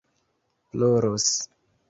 ploros